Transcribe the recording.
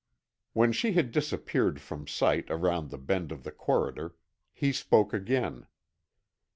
When she had disappeared from sight around the bend of the corridor, he spoke again.